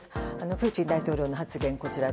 プーチン大統領の発言はこちら。